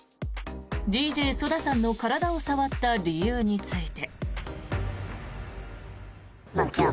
ＤＪＳＯＤＡさんの体を触った理由について。